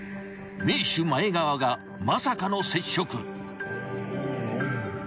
［名手前川がまさかの接触］